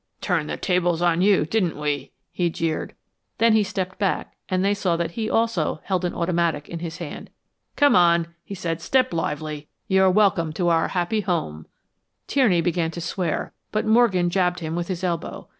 "Turned the tables on you, didn't we?" he jeered. Then he stepped back and they saw that he also held an automatic in his hand. "Come on," he said, "step lively. You're welcome to our happy home." Tierney began to swear, but Morgan jabbed him with his elbow.